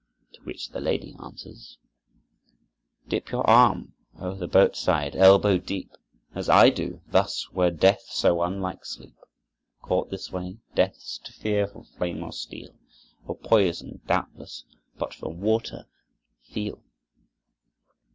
To which the lady answers: "Dip your arm o'er the boat side, elbow deep, As I do; thus; were death so unlike sleep, Caught this way? Death's to fear from flame or steel, Or poison, doubtless; but from water—feel!"